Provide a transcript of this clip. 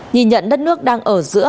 nhìn nhận đất nước đang ở giữa